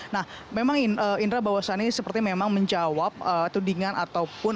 nah memang indra bahwasannya seperti memang menjawab tudingan ataupun